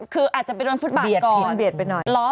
คืออาจจะไปโดนฟุตบานก่อน